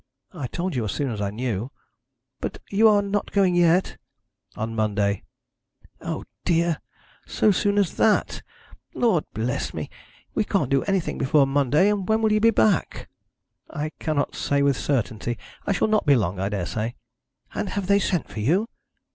'I told you as soon as I knew.' 'But you are not going yet?' 'On Monday.' 'O dear! So soon as that! Lord bless me! We can't do anything before Monday. And when will you be back?' 'I cannot say with certainty. I shall not be long, I daresay.' 'And have they sent for you?'